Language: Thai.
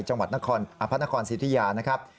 จังหวัดพระนครสิทธิยานะครับ